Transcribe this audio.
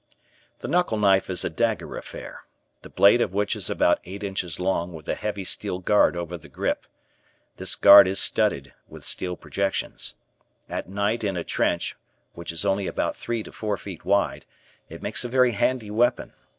The knuckle knife is a dagger affair, the blade of which is about eight inches long with a heavy steel guard over the grip. This guard is studded with steel projections. At night in a trench, which is only about three to four feet wide, it makes a very handy weapon.